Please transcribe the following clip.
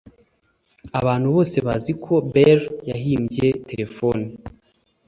Abantu bose bazi ko Bell yahimbye terefone